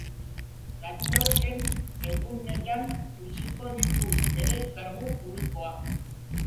Datozen egunetan utziko ditu bere kargu publikoak.